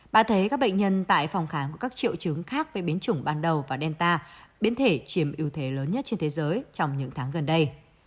bà thấy các bệnh nhân tại phòng kháng của các triệu chứng khác với biến chủng ban đầu và delta biến thể chiềm ưu thế lớn nhất trên thế giới trong những tháng gần đây